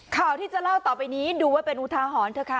ข่าวที่จะเล่าต่อไปนี้ดูไว้เป็นอุทาหรณ์เถอะค่ะ